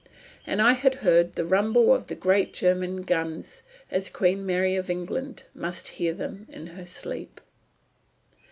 And I had heard the rumble of the great German guns, as Queen Mary of England must hear them in her sleep.